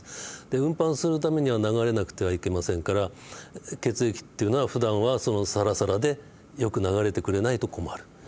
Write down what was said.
で運搬するためには流れなくてはいけませんから血液っていうのはふだんはサラサラでよく流れてくれないと困る。